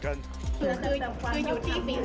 คืออยู่ที่มือของพักของมือของพัก